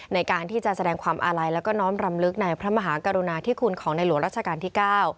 ในการที่จะแสดงความอาลัยแล้วก็น้อมรำลึกในพระมหากรุณาธิคุณของในหลวงรัชกาลที่๙